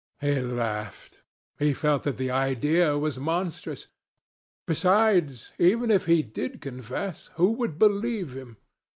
He laughed. He felt that the idea was monstrous. Besides, even if he did confess, who would believe him?